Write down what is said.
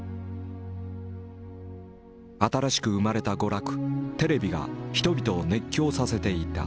新しく生まれた娯楽テレビが人々を熱狂させていた。